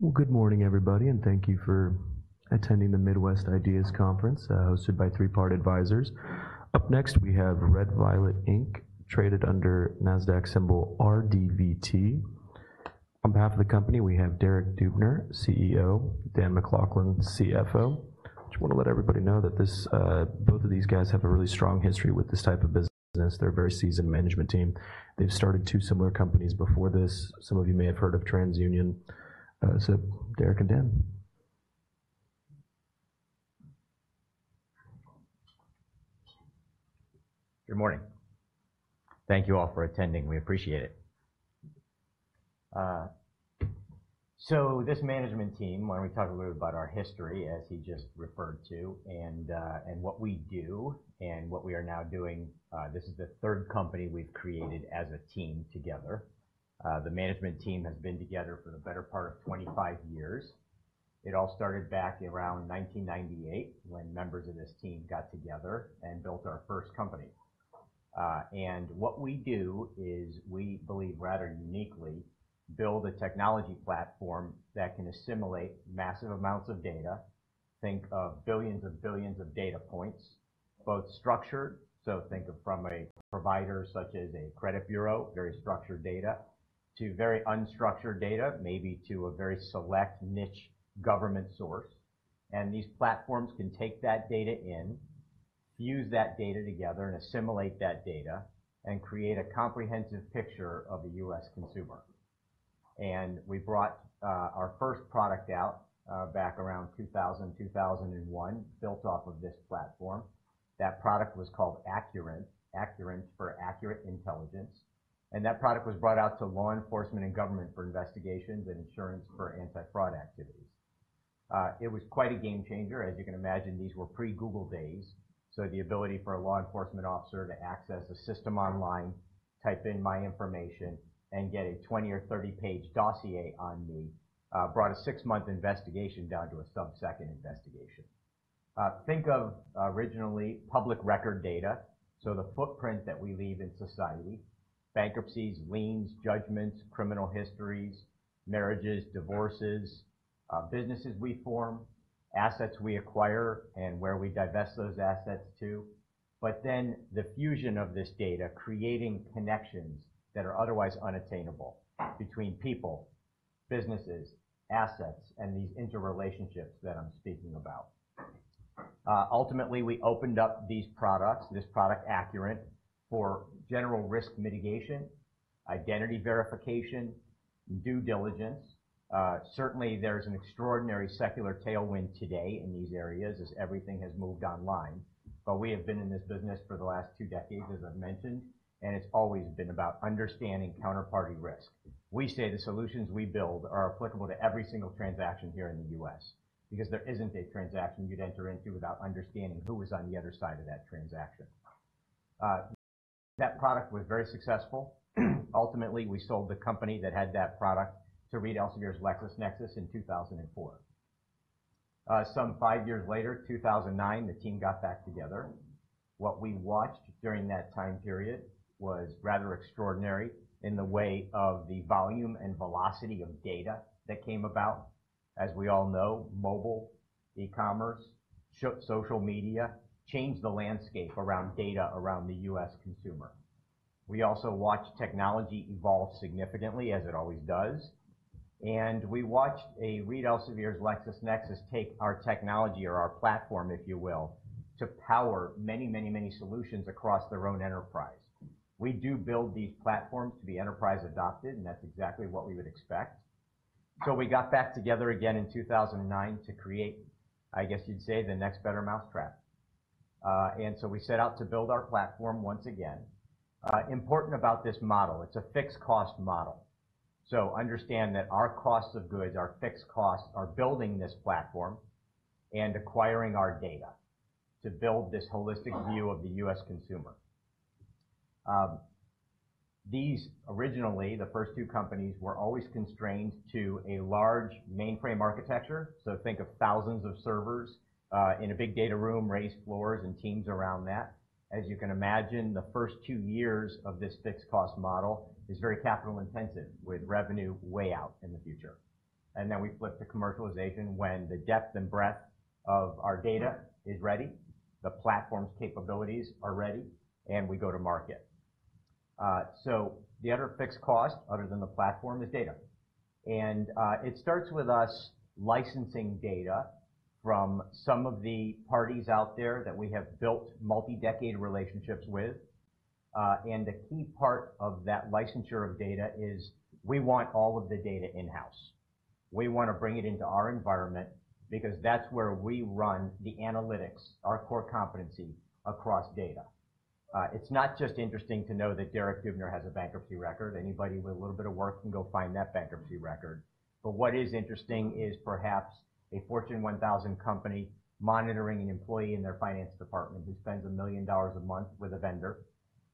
Well, good morning, everybody, and thank you for attending the Midwest IDEAS Conference, hosted by Three Part Advisors. Up next, we have Red Violet Inc., traded under Nasdaq symbol RDVT. On behalf of the company, we have Derek Dubner, CEO, Dan McLaughlin, CFO. Just want to let everybody know that both of these guys have a really strong history with this type of business. They're a very seasoned management team. They've started two similar companies before this. Some of you may have heard of TransUnion. So Derek and Dan? Good morning. Thank you all for attending. We appreciate it, so this management team, why don't we talk a little bit about our history, as he just referred to, and what we do and what we are now doing. This is the third company we've created as a team together. The management team has been together for the better part of 25 years. It all started back around 1998 when members of this team got together and built our first company, and what we do is, we believe, rather uniquely, build a technology platform that can assimilate massive amounts of data. Think of billions and billions of data points, both structured, so think of from a provider such as a credit bureau, very structured data, to very unstructured data, maybe to a very select niche government source. And these platforms can take that data in, fuse that data together and assimilate that data and create a comprehensive picture of the U.S. consumer. And we brought our first product out back around 2000, 2001, built off of this platform. That product was called Accurint. Accurint for accurate intelligence, and that product was brought out to law enforcement and government for investigations and insurance for anti-fraud activities. It was quite a game changer. As you can imagine, these were pre-Google days, so the ability for a law enforcement officer to access a system online, type in my information, and get a 20- or 30-page dossier on me brought a six-month investigation down to a subsecond investigation. Think of originally public record data, so the footprint that we leave in society, bankruptcies, liens, judgments, criminal histories, marriages, divorces, businesses we form, assets we acquire, and where we divest those assets to, but then the fusion of this data, creating connections that are otherwise unattainable between people, businesses, assets, and these interrelationships that I'm speaking about. Ultimately, we opened up these products, this product, Accurint, for general risk mitigation, identity verification, due diligence. Certainly there's an extraordinary secular tailwind today in these areas as everything has moved online. But we have been in this business for the last two decades, as I've mentioned, and it's always been about understanding counterparty risk. We say the solutions we build are applicable to every single transaction here in the U.S., because there isn't a transaction you'd enter into without understanding who was on the other side of that transaction. That product was very successful. Ultimately, we sold the company that had that product to Reed Elsevier's LexisNexis in 2004. Some five years later, 2009, the team got back together. What we watched during that time period was rather extraordinary in the way of the volume and velocity of data that came about. As we all know, mobile, e-commerce, social media changed the landscape around data around the U.S. consumer. We also watched technology evolve significantly, as it always does, and we watched as Reed Elsevier's LexisNexis take our technology or our platform, if you will, to power many, many, many solutions across their own enterprise. We do build these platforms to be enterprise-adopted, and that's exactly what we would expect, so we got back together again in 2009 to create, I guess you'd say, the next better mousetrap, and so we set out to build our platform once again. Important about this model, it's a fixed cost model, so understand that our costs of goods, our fixed costs, are building this platform and acquiring our data to build this holistic view of the U.S. consumer. Originally, the first two companies were always constrained to a large mainframe architecture. So think of thousands of servers in a big data room, raised floors and teams around that. As you can imagine, the first two years of this fixed cost model is very capital intensive, with revenue way out in the future. And then we flip to commercialization when the depth and breadth of our data is ready, the platform's capabilities are ready, and we go to market. So the other fixed cost, other than the platform, is data. And, it starts with us licensing data from some of the parties out there that we have built multi-decade relationships with. And, the key part of that licensure of data is we want all of the data in-house. We want to bring it into our environment because that's where we run the analytics, our core competency across data. It's not just interesting to know that Derek Dubner has a bankruptcy record. Anybody with a little bit of work can go find that bankruptcy record. But what is interesting is perhaps a Fortune 1000 company monitoring an employee in their finance department who spends $1 million a month with a vendor,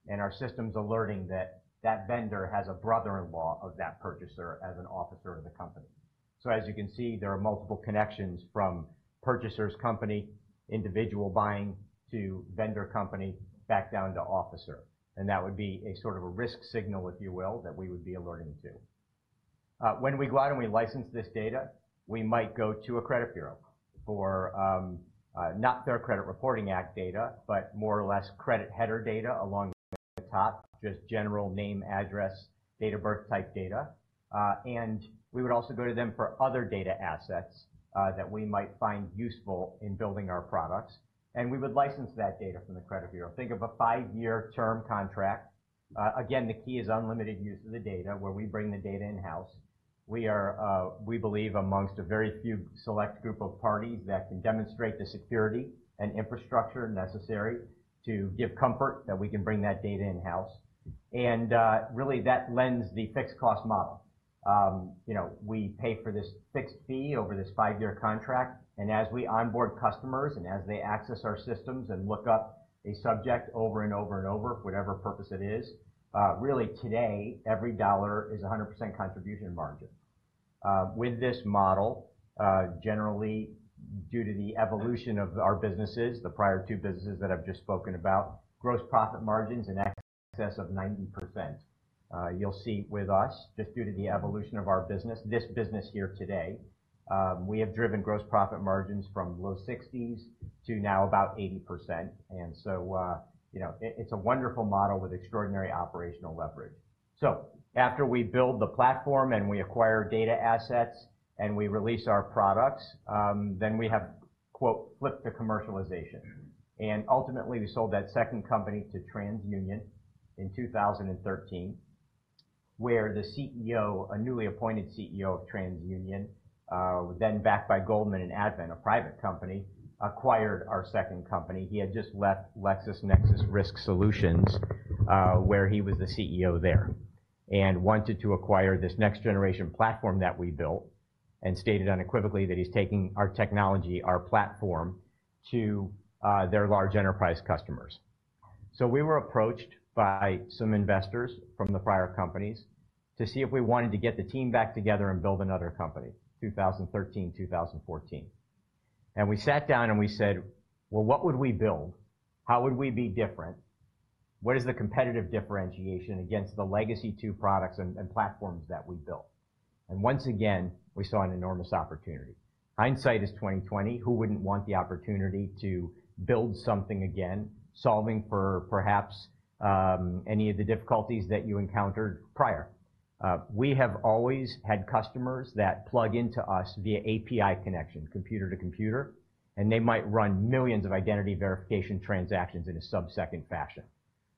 and our system's alerting that that vendor has a brother-in-law of that purchaser as an officer of the company. So as you can see, there are multiple connections from purchaser's company, individual buying, to vendor company, back down to officer. And that would be a sort of a risk signal, if you will, that we would be alerting to. When we go out and we license this data, we might go to a credit bureau for, not their Credit Reporting Act data, but more or less credit header data along the top, just general name, address, date of birth type data. And we would also go to them for other data assets, that we might find useful in building our products, and we would license that data from the credit bureau. Think of a five-year term contract. Again, the key is unlimited use of the data, where we bring the data in-house. We are, we believe, among a very few select group of parties that can demonstrate the security and infrastructure necessary to give comfort that we can bring that data in-house. And, really, that lends the fixed cost model. You know, we pay for this fixed fee over this five-year contract, and as we onboard customers and as they access our systems and look up a subject over and over and over, for whatever purpose it is, really today, every dollar is 100% contribution margin. With this model, generally, due to the evolution of our businesses, the prior two businesses that I've just spoken about, gross profit margins in excess of 90%. You'll see with us, just due to the evolution of our business, this business here today, we have driven gross profit margins from low 60s% to now about 80%. And so, you know, it, it's a wonderful model with extraordinary operational leverage. So after we build the platform and we acquire data assets and we release our products, then we have, quote, "flipped to commercialization." And ultimately, we sold that second company to TransUnion in 2013, where the CEO, a newly appointed CEO of TransUnion, then backed by Goldman and Advent, a private company, acquired our second company. He had just left LexisNexis Risk Solutions, where he was the CEO there, and wanted to acquire this next-generation platform that we built and stated unequivocally that he's taking our technology, our platform, to, their large enterprise customers. So we were approached by some investors from the prior companies to see if we wanted to get the team back together and build another company, 2013, 2014. And we sat down, and we said, "Well, what would we build? How would we be different? What is the competitive differentiation against the legacy two products and platforms that we built?" And once again, we saw an enormous opportunity. Hindsight is 20/20. Who wouldn't want the opportunity to build something again, solving for perhaps, any of the difficulties that you encountered prior? We have always had customers that plug into us via API connection, computer to computer, and they might run millions of identity verification transactions in a sub-second fashion.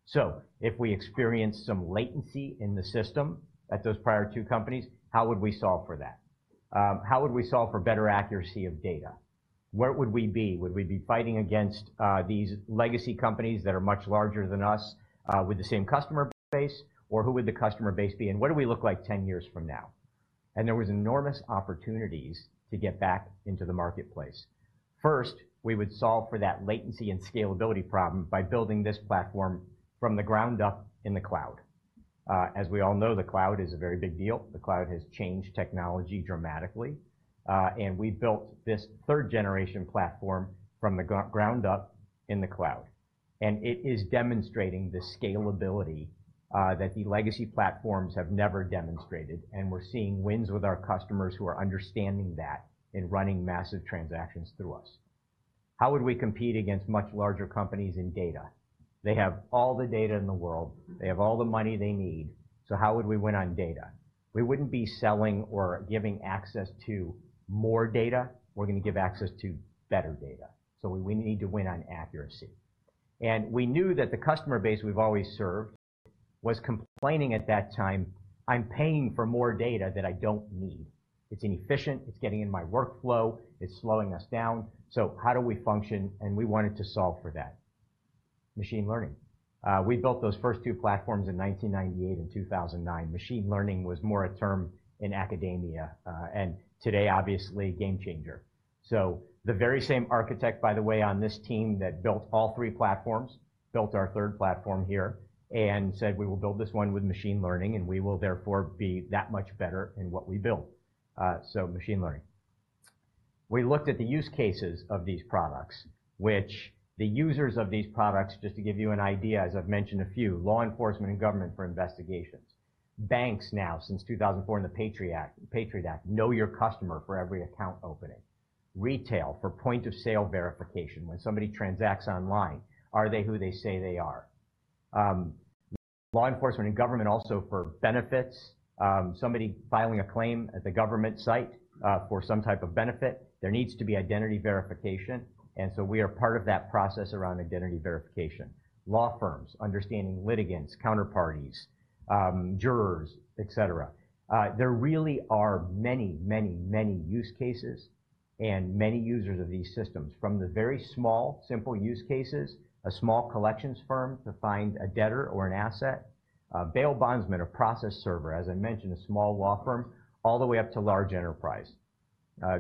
So if we experience some latency in the system at those prior two companies, how would we solve for that? How would we solve for better accuracy of data? Where would we be? Would we be fighting against, these legacy companies that are much larger than us, with the same customer base, or who would the customer base be, and what do we look like ten years from now? And there was enormous opportunities to get back into the marketplace. First, we would solve for that latency and scalability problem by building this platform from the ground up in the cloud. As we all know, the cloud is a very big deal. The cloud has changed technology dramatically, and we built this third-generation platform from the ground up in the cloud, and it is demonstrating the scalability that the legacy platforms have never demonstrated, and we're seeing wins with our customers who are understanding that and running massive transactions through us. How would we compete against much larger companies in data? They have all the data in the world. They have all the money they need. So how would we win on data? We wouldn't be selling or giving access to more data. We're going to give access to better data, so we need to win on accuracy. And we knew that the customer base we've always served was complaining at that time, "I'm paying for more data that I don't need. It's inefficient, it's getting in my workflow, it's slowing us down." So how do we function? We wanted to solve for that. Machine learning. We built those first two platforms in 1998 and 2009. Machine learning was more a term in academia, and today, obviously, game changer. The very same architect, by the way, on this team that built all three platforms, built our third platform here and said, "We will build this one with machine learning, and we will therefore be that much better in what we build." Machine learning. We looked at the use cases of these products, which the users of these products, just to give you an idea, as I've mentioned, a few, law enforcement and government for investigations. Banks now, since 2004, in the Patriot Act, Know Your Customer for every account opening. Retail, for point-of-sale verification. When somebody transacts online, are they who they say they are? Law enforcement and government also for benefits. Somebody filing a claim at the government site, for some type of benefit, there needs to be identity verification, and so we are part of that process around identity verification. Law firms, understanding litigants, counterparties, jurors, et cetera. There really are many, many, many use cases and many users of these systems, from the very small, simple use cases, a small collections firm to find a debtor or an asset, a bail bondsman, a process server, as I mentioned, a small law firm, all the way up to large enterprise.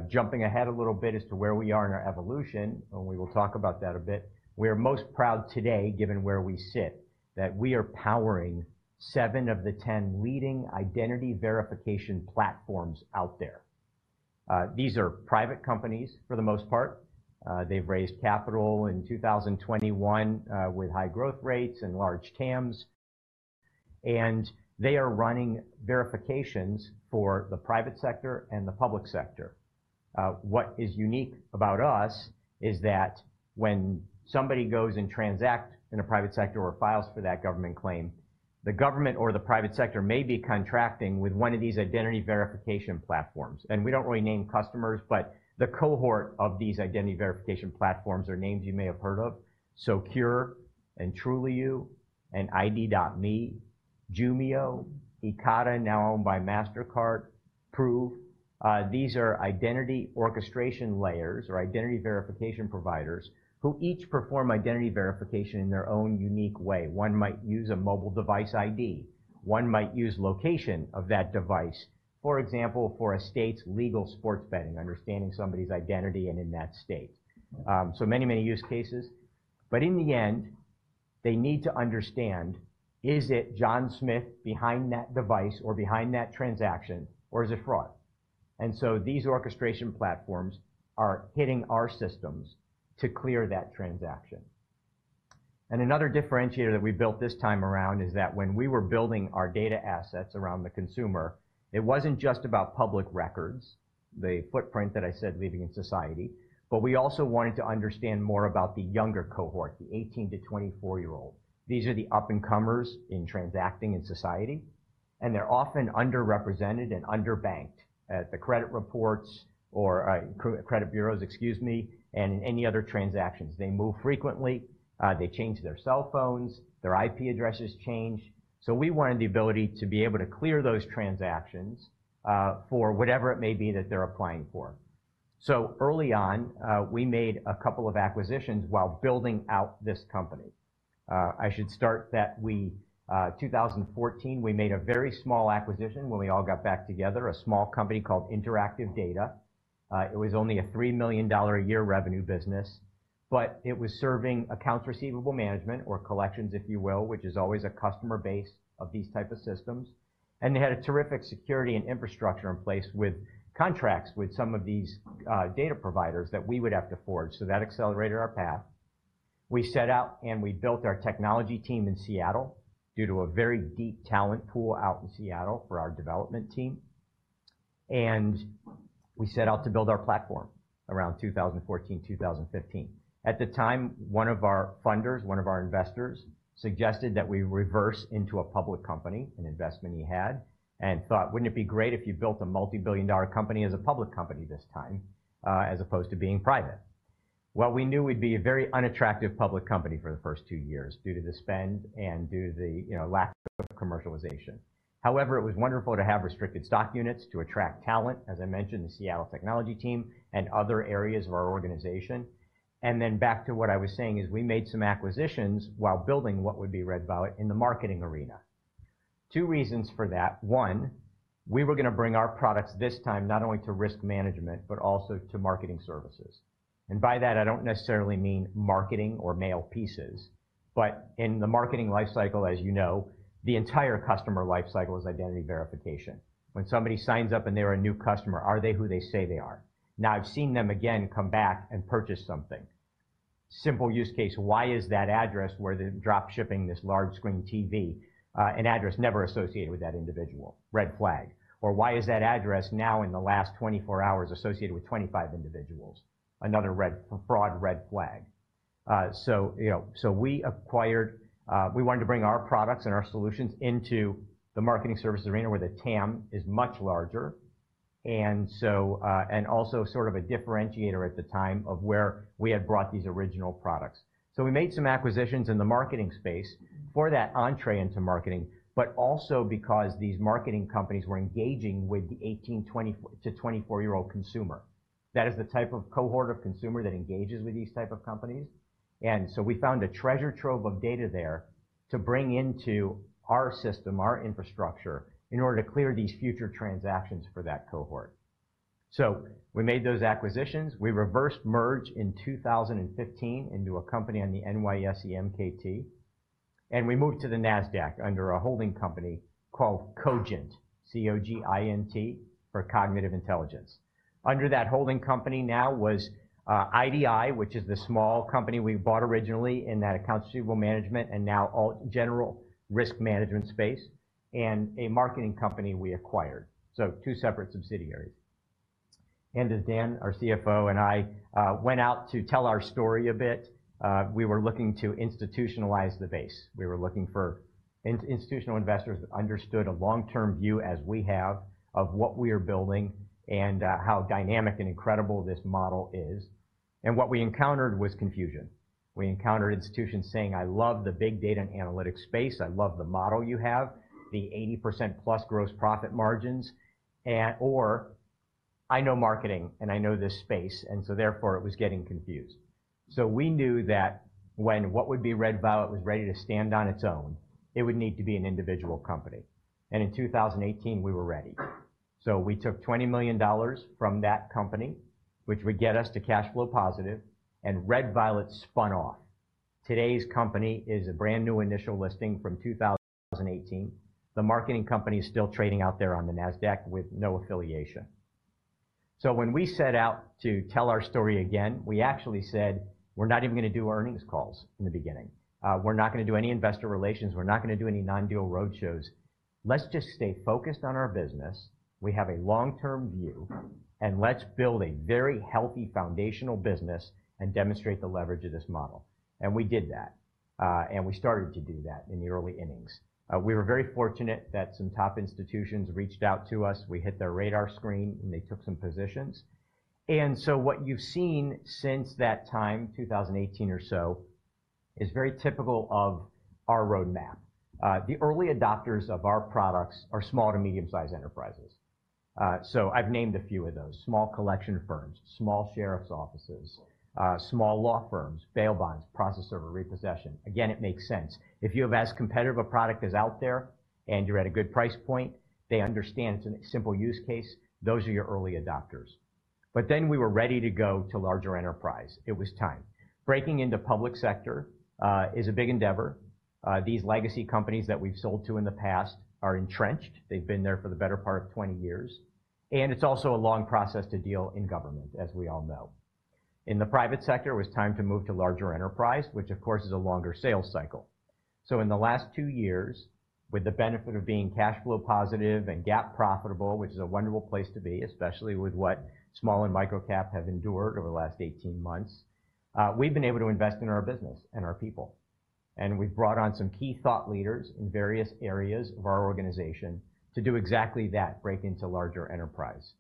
Jumping ahead a little bit as to where we are in our evolution, and we will talk about that a bit. We are most proud today, given where we sit, that we are powering seven of the ten leading identity verification platforms out there. These are private companies for the most part. They've raised capital in 2021, with high growth rates and large TAMs, and they are running verifications for the private sector and the public sector. What is unique about us is that when somebody goes and transact in a private sector or files for that government claim, the government or the private sector may be contracting with one of these identity verification platforms. And we don't really name customers, but the cohort of these identity verification platforms are names you may have heard of: Socure and Trulioo and ID.me, Jumio, Ekata, now owned by Mastercard, Prove. These are identity orchestration layers or identity verification providers who each perform identity verification in their own unique way. One might use a mobile device ID, one might use location of that device. For example, for a state's legal sports betting, understanding somebody's identity and in that state. So many, many use cases, but in the end, they need to understand, is it John Smith behind that device or behind that transaction, or is it fraud, and so these orchestration platforms are hitting our systems to clear that transaction, and another differentiator that we built this time around is that when we were building our data assets around the consumer, it wasn't just about public records, the footprint that I said leaving in society, but we also wanted to understand more about the younger cohort, the 18 to 24-year-old. These are the up-and-comers in transacting in society, and they're often underrepresented and underbanked at the credit reports or, credit bureaus, excuse me, and in any other transactions. They move frequently, they change their cell phones, their IP addresses change. So we wanted the ability to be able to clear those transactions, for whatever it may be that they're applying for. So early on, we made a couple of acquisitions while building out this company. 2014, we made a very small acquisition when we all got back together, a small company called Interactive Data. It was only a $3 million-a-year revenue business, but it was serving accounts receivable management or collections, if you will, which is always a customer base of these type of systems. They had a terrific security and infrastructure in place with contracts with some of these data providers that we would have to forge. So that accelerated our path. We set out, and we built our technology team in Seattle due to a very deep talent pool out in Seattle for our development team, and we set out to build our platform around 2014, 2015. At the time, one of our funders, one of our investors, suggested that we reverse into a public company, an investment he had, and thought, "Wouldn't it be great if you built a multi-billion-dollar company as a public company this time, as opposed to being private?" Well, we knew we'd be a very unattractive public company for the first two years due to the spend and due to the, you know, lack of commercialization. However, it was wonderful to have restricted stock units to attract talent, as I mentioned: the Seattle technology team and other areas of our organization, and then back to what I was saying: we made some acquisitions while building what would be Red Violet in the marketing arena. Two reasons for that. One, we were going to bring our products this time not only to risk management, but also to marketing services, and by that, I don't necessarily mean marketing or mail pieces, but in the marketing life cycle, as you know, the entire customer life cycle is identity verification. When somebody signs up and they're a new customer, are they who they say they are? Now, I've seen them again, come back and purchase something. Simple use case, why is that address where they're drop shipping this large screen TV, an address never associated with that individual? Red flag. Or why is that address now in the last 24 hours associated with 25 individuals? Another red flag. Fraud, red flag. So, you know, so we acquired. We wanted to bring our products and our solutions into the marketing service arena, where the TAM is much larger, and so, and also sort of a differentiator at the time of where we had brought these original products, so we made some acquisitions in the marketing space for that entree into marketing, but also because these marketing companies were engaging with the eighteen, 20-24 year-old consumer. That is the type of cohort of consumer that engages with these type of companies, and so we found a treasure trove of data there to bring into our system, our infrastructure, in order to clear these future transactions for that cohort, so we made those acquisitions. We reverse merged in 2015 into a company on the NYSE MKT, and we moved to the Nasdaq under a holding company called Cogint, C-O-G-I-N-T, for cognitive intelligence. Under that holding company now was IDI, which is the small company we bought originally in that accounts receivable management and now all general risk management space, and a marketing company we acquired. So two separate subsidiaries. As Dan, our CFO, and I went out to tell our story a bit, we were looking to institutionalize the base. We were looking for institutional investors that understood a long-term view, as we have, of what we are building and how dynamic and incredible this model is. What we encountered was confusion. We encountered institutions saying, "I love the big data and analytics space. I love the model you have, the 80% plus gross profit margins," or, "I know marketing, and I know this space," and so therefore it was getting confused, so we knew that when what would be Red Violet was ready to stand on its own, it would need to be an individual company and in 2018 we were ready. So we took $20 million from that company, which would get us to cash flow positive, and Red Violet spun off. Today's company is a brand new initial listing from 2018. The marketing company is still trading out there on the Nasdaq with no affiliation, so when we set out to tell our story again, we actually said, "We're not even going to do earnings calls in the beginning. We're not going to do any investor relations. We're not going to do any non-deal roadshows. Let's just stay focused on our business. We have a long-term view, and let's build a very healthy foundational business and demonstrate the leverage of this model." And we did that, and we started to do that in the early innings. We were very fortunate that some top institutions reached out to us. We hit their radar screen, and they took some positions. And so what you've seen since that time, 2018 or so, is very typical of our roadmap. The early adopters of our products are small to medium-sized enterprises. So I've named a few of those: small collection firms, small sheriff's offices, small law firms, bail bonds, process server, repossession. Again, it makes sense. If you have as competitive a product as out there and you're at a good price point, they understand it's a simple use case. Those are your early adopters, but then we were ready to go to larger enterprise. It was time. Breaking into public sector is a big endeavor. These legacy companies that we've sold to in the past are entrenched. They've been there for the better part of 20 years, and it's also a long process to deal in government, as we all know. In the private sector, it was time to move to larger enterprise, which, of course, is a longer sales cycle. In the last two years, with the benefit of being cash flow positive and GAAP profitable, which is a wonderful place to be, especially with what small and micro-cap have endured over the last eighteen months, we've been able to invest in our business and our people, and we've brought on some key thought leaders in various areas of our organization to do exactly that, break into larger enterprise.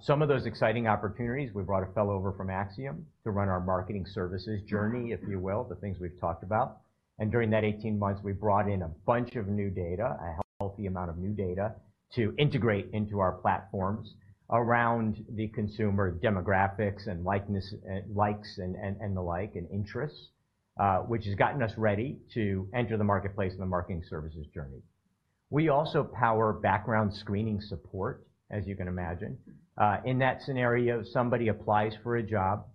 Some of those exciting opportunities, we brought a fellow over from Acxiom to run our marketing services journey, if you will, the things we've talked about. During that eighteen months, we brought in a bunch of new data, a healthy amount of new data, to integrate into our platforms around the consumer demographics and likeness, likes, and the like, and interests, which has gotten us ready to enter the marketplace and the marketing services journey. We also power background screening support, as you can imagine. In that scenario, somebody applies for a job,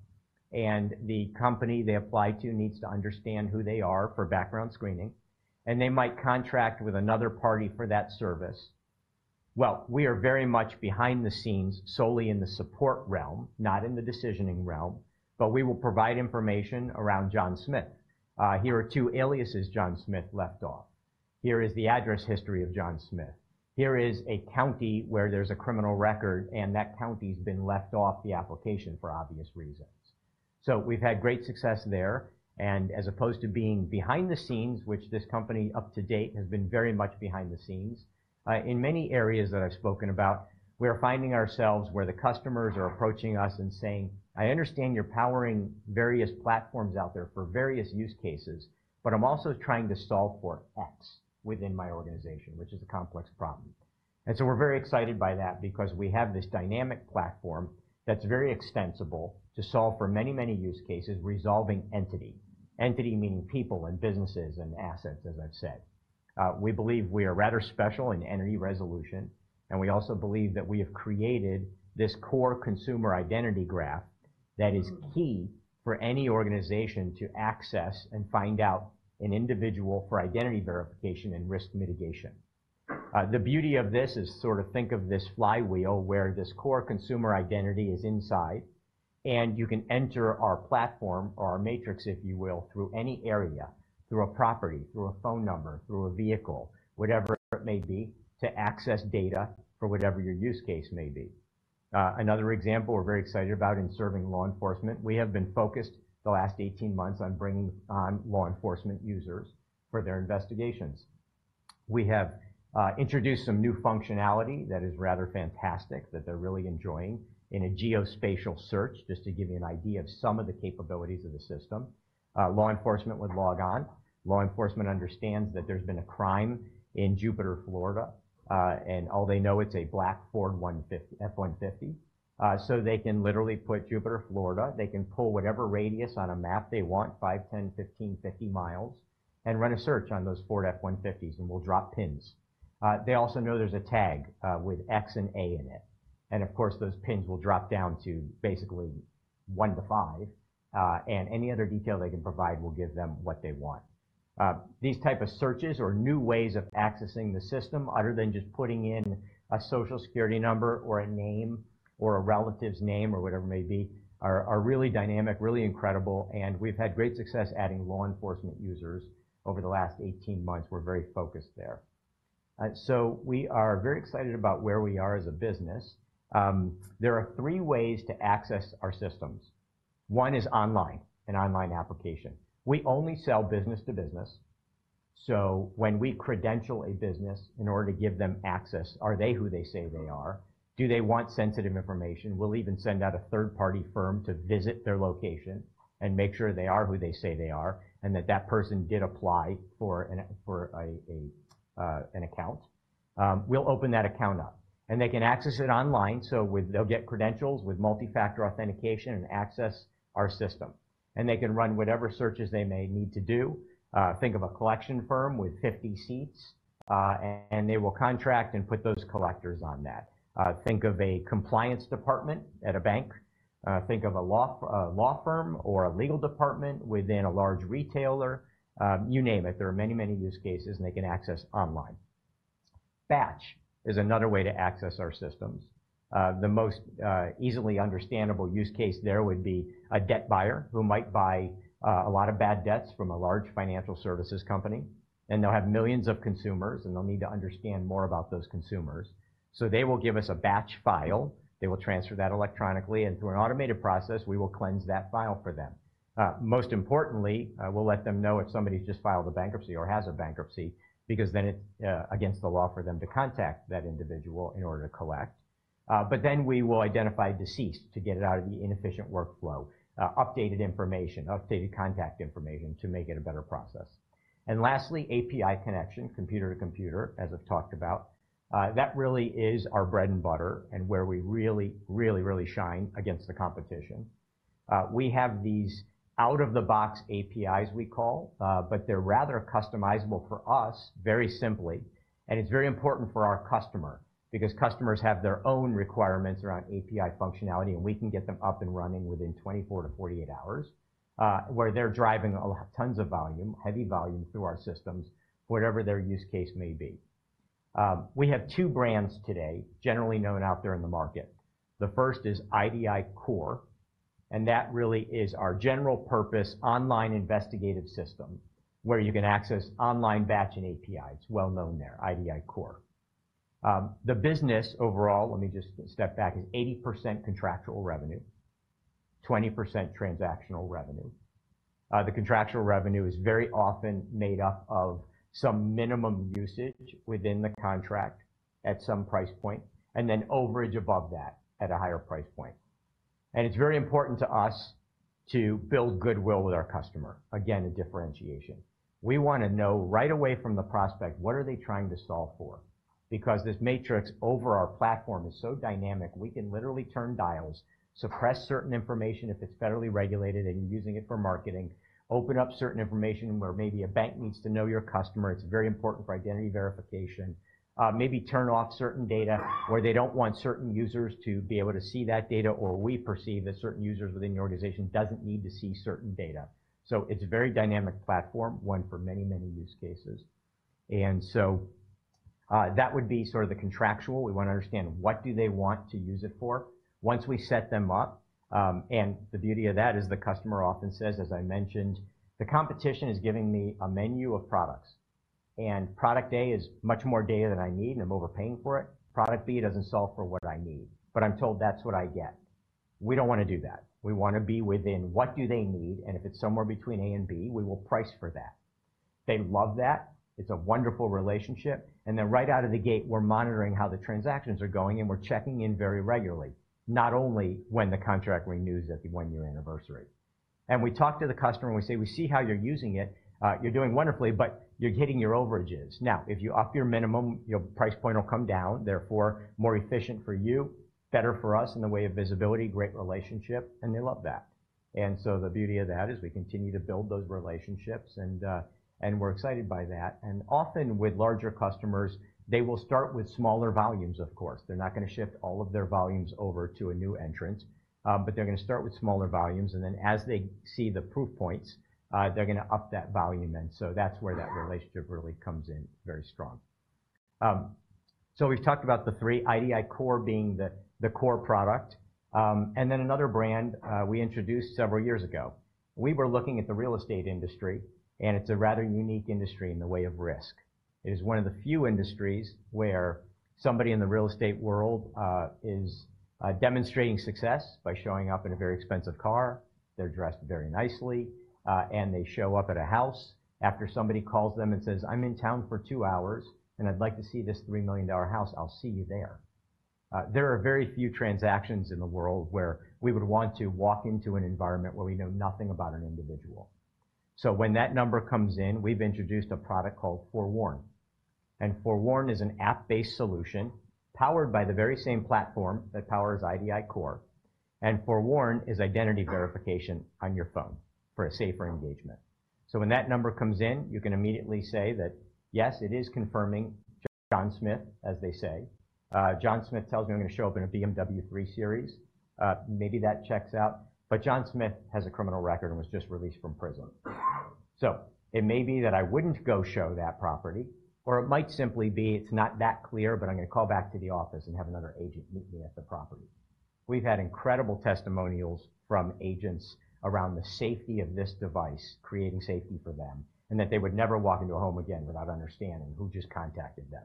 and the company they apply to needs to understand who they are for background screening, and they might contract with another party for that service. We are very much behind the scenes, solely in the support realm, not in the decisioning realm, but we will provide information around John Smith. Here are two aliases John Smith left off. Here is the address history of John Smith. Here is a county where there's a criminal record, and that county's been left off the application for obvious reasons. So we've had great success there, and as opposed to being behind the scenes, which this company, up to date, has been very much behind the scenes, in many areas that I've spoken about, we are finding ourselves where the customers are approaching us and saying, "I understand you're powering various platforms out there for various use cases, but I'm also trying to solve for X within my organization, which is a complex problem." And so we're very excited by that because we have this dynamic platform that's very extensible to solve for many, many use cases, resolving entity. Entity meaning people and businesses and assets, as I've said. We believe we are rather special in entity resolution, and we also believe that we have created this core consumer identity graph that is key for any organization to access and find out an individual for identity verification and risk mitigation. The beauty of this is sort of think of this flywheel, where this core consumer identity is inside, and you can enter our platform or our matrix, if you will, through any area, through a property, through a phone number, through a vehicle, whatever it may be, to access data for whatever your use case may be. Another example we're very excited about in serving law enforcement. We have been focused the last eighteen months on bringing on law enforcement users for their investigations. We have introduced some new functionality that is rather fantastic, that they're really enjoying in a geospatial search, just to give you an idea of some of the capabilities of the system. Law enforcement would log on. Law enforcement understands that there's been a crime in Jupiter, Florida, and all they know, it's a black Ford F-150, so they can literally put Jupiter, Florida. They can pull whatever radius on a map they want, five, ten, fifteen, fifty miles, and run a search on those Ford F-150s, and we'll drop pins. They also know there's a tag with X and A in it, and of course, those pins will drop down to basically one to five, and any other detail they can provide will give them what they want. These type of searches or new ways of accessing the system, other than just putting in a Social Security number, or a name, or a relative's name, or whatever it may be, are really dynamic, really incredible, and we've had great success adding law enforcement users over the last 18 months. We're very focused there, so we are very excited about where we are as a business. There are three ways to access our systems. One is online, an online application. We only sell business to business, so when we credential a business in order to give them access, are they who they say they are? Do they want sensitive information? We'll even send out a third-party firm to visit their location and make sure they are who they say they are, and that that person did apply for an account. We'll open that account up, and they can access it online, so with. They'll get credentials with multifactor authentication and access our system, and they can run whatever searches they may need to do. Think of a collection firm with 50 seats, and they will contract and put those collectors on that. Think of a compliance department at a bank. Think of a law firm or a legal department within a large retailer. You name it, there are many, many use cases, and they can access online. Batch is another way to access our systems. The most easily understandable use case there would be a debt buyer who might buy a lot of bad debts from a large financial services company, and they'll have millions of consumers, and they'll need to understand more about those consumers. So they will give us a batch file. They will transfer that electronically, and through an automated process, we will cleanse that file for them. Most importantly, we'll let them know if somebody's just filed a bankruptcy or has a bankruptcy, because then it's against the law for them to contact that individual in order to collect. But then we will identify deceased to get it out of the inefficient workflow, updated information, updated contact information to make it a better process. And lastly, API connection, computer to computer, as I've talked about. That really is our bread and butter, and where we really, really, really shine against the competition. We have these out-of-the-box APIs, but they're rather customizable for us, very simply, and it's very important for our customer because customers have their own requirements around API functionality, and we can get them up and running within 24-48 hours, where they're driving tons of volume, heavy volume through our systems, whatever their use case may be. We have two brands today, generally known out there in the market. The first is idiCORE, and that really is our general purpose online investigative system, where you can access online batch and API. It's well known there, idiCORE. The business overall, let me just step back, is 80% contractual revenue, 20% transactional revenue. The contractual revenue is very often made up of some minimum usage within the contract at some price point, and then overage above that at a higher price point, and it's very important to us to build goodwill with our customer. Again, a differentiation. We want to know right away from the prospect, what are they trying to solve for? Because this matrix over our platform is so dynamic, we can literally turn dials, suppress certain information if it's federally regulated and using it for marketing, open up certain information where maybe a bank needs to know your customer. It's very important for identity verification. Maybe turn off certain data where they don't want certain users to be able to see that data, or we perceive that certain users within the organization doesn't need to see certain data. So it's a very dynamic platform, one for many, many use cases. And so, that would be sort of the contractual. We want to understand what do they want to use it for? Once we set them up, And the beauty of that is the customer often says, as I mentioned, "The competition is giving me a menu of products, and product A is much more data than I need, and I'm overpaying for it. Product B doesn't solve for what I need, but I'm told that's what I get." We don't want to do that. We want to be within what do they need, and if it's somewhere between A and B, we will price for that. They love that. It's a wonderful relationship, and then right out of the gate, we're monitoring how the transactions are going, and we're checking in very regularly, not only when the contract renews at the one-year anniversary, and we talk to the customer, and we say, "We see how you're using it. You're doing wonderfully, but you're hitting your overages. Now, if you up your minimum, your price point will come down, therefore, more efficient for you, better for us in the way of visibility, great relationship," and they love that, and so the beauty of that is we continue to build those relationships, and we're excited by that, and often with larger customers, they will start with smaller volumes, of course. They're not going to shift all of their volumes over to a new entrant, but they're going to start with smaller volumes, and then as they see the proof points, they're going to up that volume then. So that's where that relationship really comes in very strong. So we've talked about the three, idiCORE being the core product, and then another brand, we introduced several years ago. We were looking at the real estate industry, and it's a rather unique industry in the way of risk. It is one of the few industries where somebody in the real estate world is demonstrating success by showing up in a very expensive car. They're dressed very nicely, and they show up at a house after somebody calls them and says, "I'm in town for two hours, and I'd like to see this $3 million house. I'll see you there." There are very few transactions in the world where we would want to walk into an environment where we know nothing about an individual. So when that number comes in, we've introduced a product called FOREWARN. And FOREWARN is an app-based solution powered by the very same platform that powers idiCORE, and FOREWARN is identity verification on your phone for a safer engagement. So when that number comes in, you can immediately say that, "Yes, it is confirming John Smith, as they say. John Smith tells me I'm going to show up in a BMW 3 Series. Maybe that checks out, but John Smith has a criminal record and was just released from prison." So it may be that I wouldn't go show that property, or it might simply be, it's not that clear, but I'm going to call back to the office and have another agent meet me at the property. We've had incredible testimonials from agents around the safety of this device, creating safety for them, and that they would never walk into a home again without understanding who just contacted them.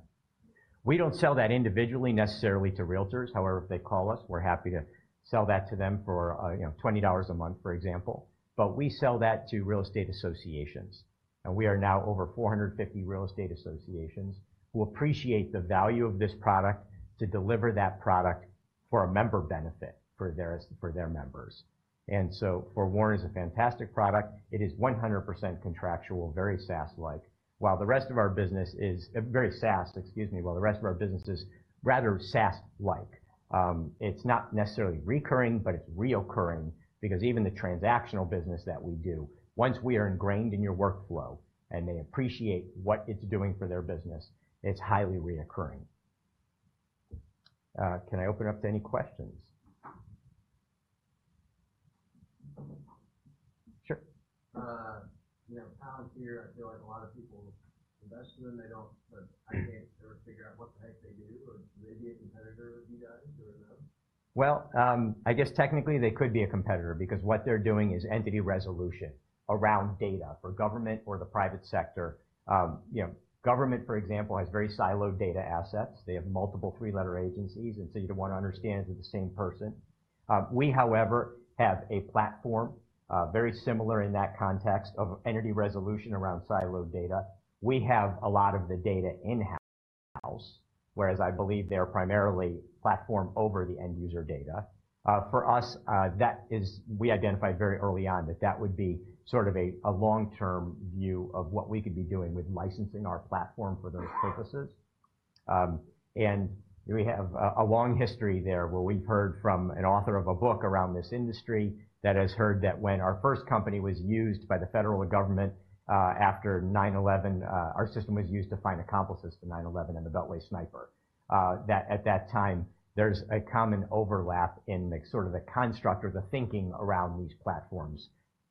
We don't sell that individually, necessarily to realtors. However, if they call us, we're happy to sell that to them for, you know, $20 a month, for example. But we sell that to real estate associations, and we are now over 450 real estate associations who appreciate the value of this product to deliver that product for a member benefit for their members. And so FOREWARN is a fantastic product. It is 100% contractual, very SaaS-like, while the rest of our business is rather SaaS-like. It's not necessarily recurring, but it's reoccurring because even the transactional business that we do, once we are ingrained in your workflow and they appreciate what it's doing for their business, it's highly reoccurring. Can I open up to any questions? Sure. You know, Palantir, I feel like a lot of people invest in them. They don't, but I can't ever figure out what the heck they do, or maybe a competitor with you guys or no? I guess technically they could be a competitor because what they're doing is entity resolution around data for government or the private sector. You know, government, for example, has very siloed data assets. They have multiple three-letter agencies, and so you'd want to understand they're the same person. We, however, have a platform very similar in that context of entity resolution around siloed data. We have a lot of the data in-house, whereas I believe they are primarily platform over the end user data. For us, we identified very early on that that would be sort of a long-term view of what we could be doing with licensing our platform for those purposes. We have a long history there, where we've heard from an author of a book around this industry that has heard that when our first company was used by the federal government, after 9/11, our system was used to find accomplices to 9/11 and the Beltway sniper. That at that time, there's a common overlap in the sort of the construct or the thinking around these platforms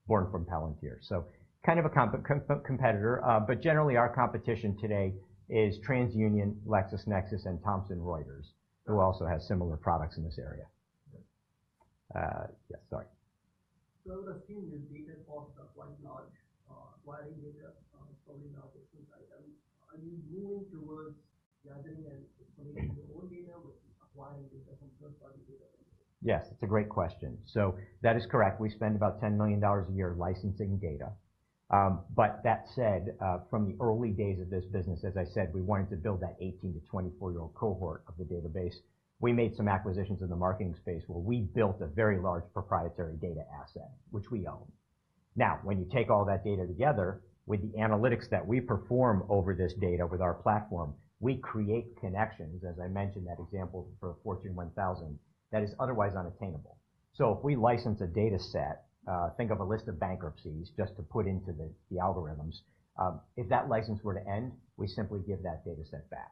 born from Palantir. So kind of a competitor, but generally, our competition today is TransUnion, LexisNexis, and Thomson Reuters, who also have similar products in this area. I would assume your data costs are quite large, acquiring data, probably now. Are you moving towards gathering and your own data, acquiring data from third-party data? Yes, it's a great question. So that is correct. We spend about $10 million a year licensing data. But that said, from the early days of this business, as I said, we wanted to build that 18- to 24-year-old cohort of the database. We made some acquisitions in the marketing space, where we built a very large proprietary data asset, which we own. Now, when you take all that data together with the analytics that we perform over this data with our platform, we create connections, as I mentioned, that example for Fortune 1000, that is otherwise unattainable. So if we license a data set, think of a list of bankruptcies just to put into the algorithms. If that license were to end, we simply give that data set back.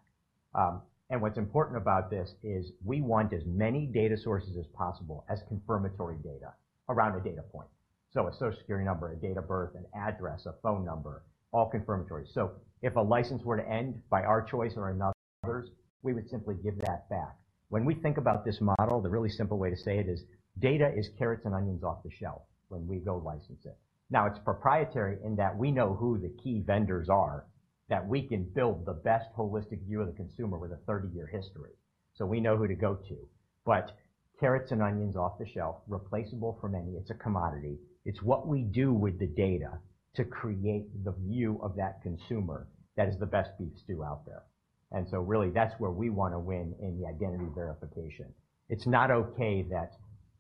And what's important about this is we want as many data sources as possible as confirmatory data around a data point. So a Social Security number, a date of birth, an address, a phone number, all confirmatory. So if a license were to end by our choice or another's, we would simply give that back. When we think about this model, the really simple way to say it is data is carrots and onions off the shelf when we go license it. Now, it's proprietary in that we know who the key vendors are, that we can build the best holistic view of the consumer with a 30 year history. So we know who to go to, but carrots and onions off the shelf, replaceable for many, it's a commodity. It's what we do with the data to create the view of that consumer that is the best beef stew out there. And so really, that's where we want to win in the identity verification. It's not okay that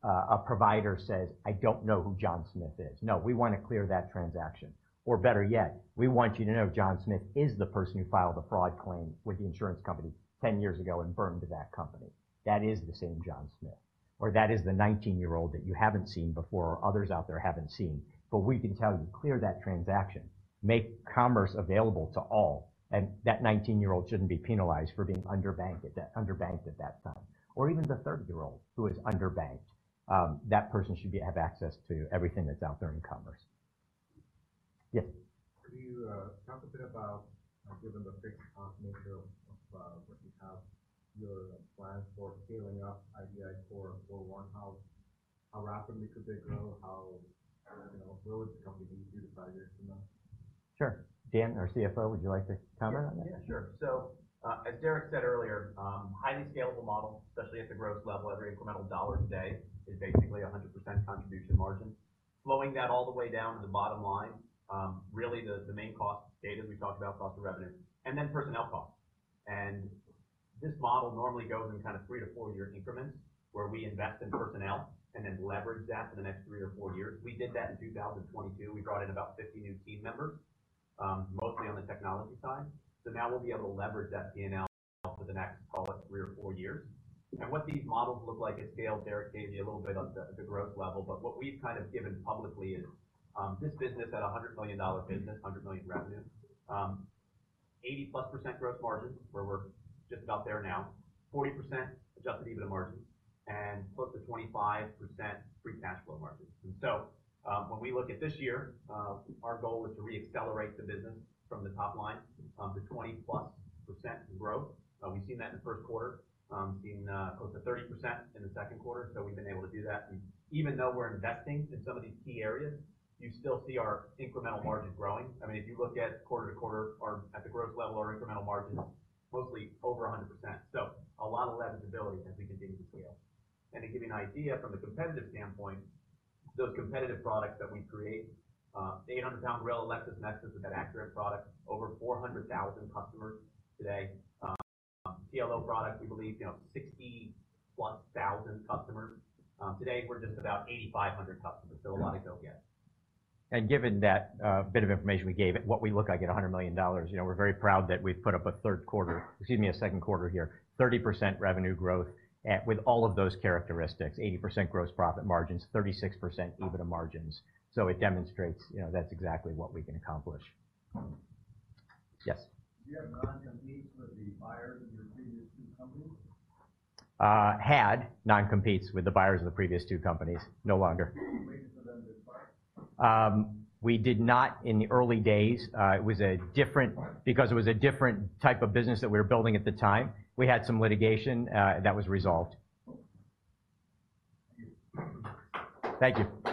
a provider says, "I don't know who John Smith is." No, we want to clear that transaction. Or better yet, we want you to know John Smith is the person who filed a fraud claim with the insurance company ten years ago and burned that company. That is the same John Smith, or that is the 19 year-old that you haven't seen before or others out there haven't seen, but we can tell you, clear that transaction, make commerce available to all, and that 19 year-old shouldn't be penalized for being underbanked at that time, or even the 13 year-old who is underbanked. That person should have access to everything that's out there in commerce. Yes. Could you talk a bit about, given the fixed cost nature of what you have, your plans for scaling up idiCORE for one house, how rapidly could they grow? How, I don't know, will the company be three to five years from now? Sure. Dan, our CFO, would you like to comment on that? Yeah, sure. So, as Derek said earlier, highly scalable model, especially at the gross level. Every incremental dollar today is basically 100% contribution margin. Flowing that all the way down to the bottom line, really the main cost data we talked about, cost of revenue and then personnel costs. And this model normally goes in kind of 3-4-year increments, where we invest in personnel and then leverage that for the next three or four years. We did that in 2022. We brought in about 50 new team members, mostly on the technology side. So now we'll be able to leverage that P&L for the next call it three or four years. And what these models look like at scale, Derek gave you a little bit on the growth level, but what we've kind of given publicly is, this business at a $100 million business, $100 million in revenue, 80+% gross margins, where we're just about there now, 40% adjusted EBITDA margins, and close to 25% free cash flow margins. And so, when we look at this year, our goal is to reaccelerate the business from the top line, to 20+% growth. We've seen that in the first quarter, seeing close to 30% in the second quarter. So we've been able to do that. Even though we're investing in some of these key areas, you still see our incremental margins growing. I mean, if you look at quarter-to-quarter or at the growth level, our incremental margins mostly over 100%. So a lot of leveragability as we continue to scale. And to give you an idea from a competitive standpoint, those competitive products that we create, 800,000 from LexisNexis with that Accurint product, over 400,000 customers today. TLO product, we believe, you know, 60-plus thousand customers. Today, we're just about 8,500 customers, so a lot to go get. Given that bit of information we gave it, what we look like at $100 million, you know, we're very proud that we've put up a third quarter... Excuse me, a second quarter here, 30% revenue growth at with all of those characteristics, 80% gross profit margins, 36% EBITDA margins. So it demonstrates, you know, that's exactly what we can accomplish. Yes? Do you have non-competes with the buyers of your previous two companies? Had non-competes with the buyers of the previous two companies. No longer. Reasons for them to part? We did not in the early days because it was a different type of business that we were building at the time. We had some litigation that was resolved. Thank you.